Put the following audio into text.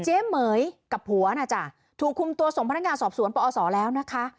เหม๋ยกับผัวน่ะจ้ะถูกคุมตัวส่งพนักงานสอบสวนปอศแล้วนะคะ